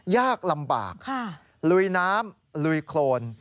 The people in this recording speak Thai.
ยากลำบากลุยน้ำลุยโครน